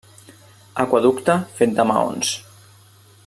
Aqüeducte fet de maons.